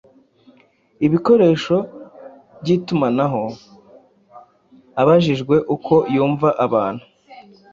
ibikoresho by’itumanaho. Abajijwe uko yumva abantu